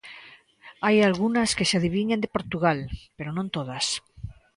Hai algunhas que se adiviñan de Portugal, pero non todas.